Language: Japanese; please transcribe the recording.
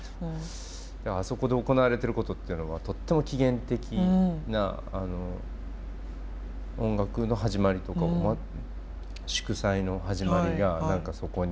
あそこで行われてることっていうのはとっても起源的な音楽の始まりとか祝祭の始まりが何かそこに。